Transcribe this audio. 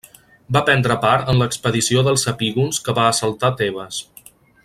Va prendre part en l'expedició dels epígons que va assaltar Tebes.